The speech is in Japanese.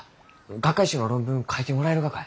学会誌の論文書いてもらえるがかえ？